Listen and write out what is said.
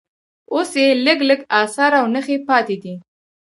اوس یې لږ لږ اثار او نښې پاتې دي.